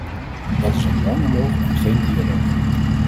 Dat is een monoloog en geen dialoog.